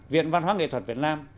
viện văn hóa nghệ thuật việt nam